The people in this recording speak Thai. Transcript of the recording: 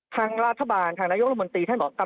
ทางราธบาลทางนายกลมตรีท่านบอก